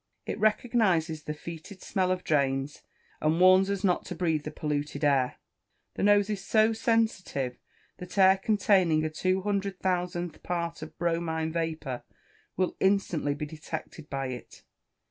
It recognises the foeted smell of drains, and warns us not to breathe the polluted air. The nose is so sensitive, that air containing a 200,000th part of bromine vapour will instantly be detected by it.